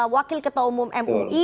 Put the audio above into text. wakil ketua umum mui